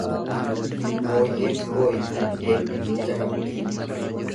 Booyyeef booyi dhaddeen dinnicha qabdi.